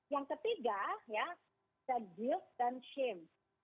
yang ketiga ya ada guilt dan shame